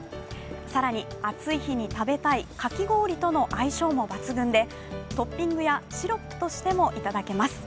更に、暑い日に食べたいかき氷との相性も抜群で、トッピングやシロップとしてもいただけます。